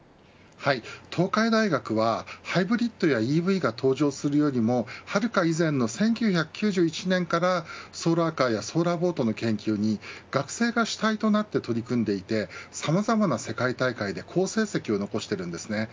東海大学は、ハイブリッドやＥＶが登場するよりもはるか以前の１９９１年からソーラーカーやソーラーボートの研究に学生が主体となって取り組んでいてさまざまな世界大会で好成績を残しているんです。